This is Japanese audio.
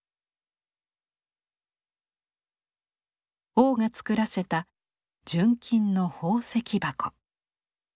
王が作らせた純金の宝石箱。